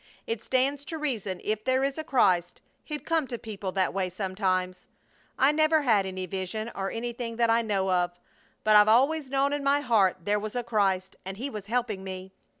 It stands to reason if there is a Christ He'd come to people that way sometimes. I never had any vision, or anything that I know of, but I've always known in my heart there was a Christ and He was helping me!